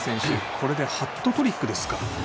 これでハットトリック。